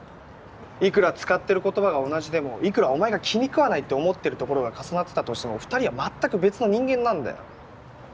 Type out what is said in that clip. いくら使ってる言葉が同じでもいくらお前が気に食わないって思ってるところが重なってたとしても２人は全く別の人間なんだよ。